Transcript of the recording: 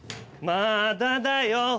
まあだだよ。